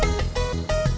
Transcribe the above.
ya ada tiga orang